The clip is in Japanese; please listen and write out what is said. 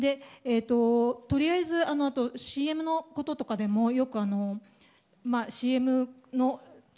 とりあえずＣＭのこととかでもよくＣＭの。